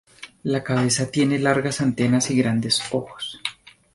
La cabeza tiene largas antenas y grandes ojos.